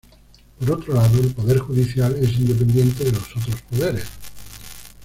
Por otro lado, el poder judicial es independiente de los otros poderes.